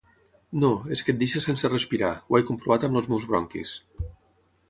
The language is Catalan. No, és que et deixa sense respirar, ho he comprovat amb els meus bronquis.